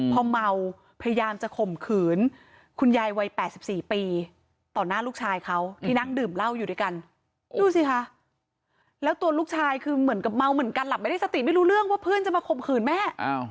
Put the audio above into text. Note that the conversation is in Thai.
พอเมาพยายามจะข่มขืนคุณยายวัย๘๔ปีต่อหน้าลูกชายเขาที่นั่งดื่มเหล้าอยู่ด้วยกันดูสิคะแล้วตัวลูกชายคือเหมือนกับเมาเหมือนกันหลับไม่ได้สติไม่รู้เรื่องว่าเพื่อนจะมาข่มขืนแม่